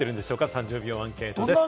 ３０秒アンケートです。